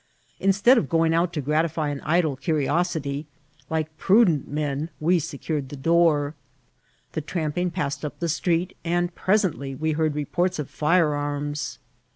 Instead of going out to gratify an idle curiosity, like prudent men we secured the door. The tramping passed up the street, and presently we heard reports of firearms.